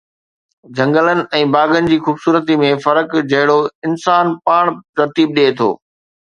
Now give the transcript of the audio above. جهنگلن ۽ باغن جي خوبصورتي ۾ فرق جهڙو انسان پاڻ ترتيب ڏئي ٿو